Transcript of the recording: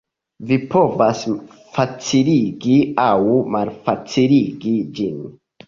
Vi povas faciligi aŭ malfaciligi ĝin.